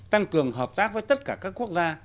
tăng cường hợp tác với tất cả các quốc gia